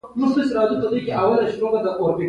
د قوانینو اجرا کول په پام کې نیول.